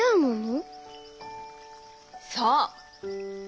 そう。